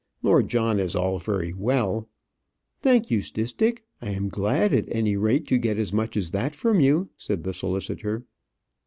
Lord John is all very well " "Thank you, Stistick. I am glad, at any rate, to get as much as that from you," said the solicitor.